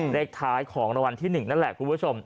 เลขท้ายของรางวัลที่๑นั่นแหละคุณผู้ชม